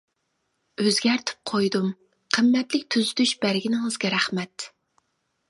ئۆزگەرتىپ قويدۇم، قىممەتلىك تۈزىتىش بەرگىنىڭىزگە رەھمەت!